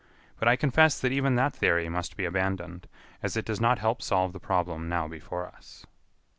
But I confess that even that theory must be abandoned, as it does not help solve the problem now before us."